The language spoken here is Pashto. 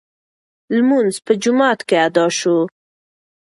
لمونځ په جومات کې ادا شو.